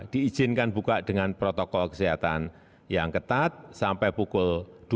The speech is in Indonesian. diizinkan buka dengan protokol kesehatan yang ketat sampai pukul dua puluh